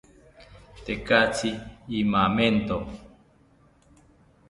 Tekatzi imamento